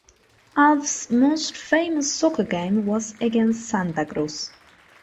Alves' most famous soccer game was against Santa Cruz.